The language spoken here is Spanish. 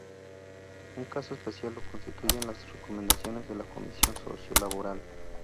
Un caso especial lo constituyen las recomendaciones de la Comisión Sociolaboral.